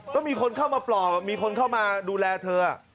ต้องมีคนเข้ามาปลอบมีคนเข้ามาดูแลเธอ